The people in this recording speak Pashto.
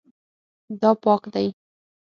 دا پاک دی